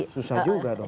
susah juga dong